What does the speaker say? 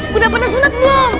sudah pernah sunat belum